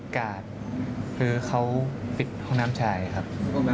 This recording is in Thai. กาดคือเขาปิดห้องน้ำชายครับ